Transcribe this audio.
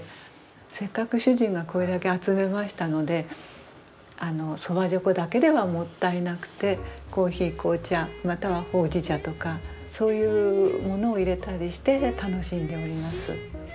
せっかく主人がこれだけ集めましたので蕎麦猪口だけではもったいなくてコーヒー紅茶またはほうじ茶とかそういうものを入れたりして楽しんでおります。